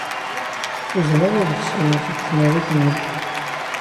Tuzneḍ iḍebsiyen seg tnarit-nnek.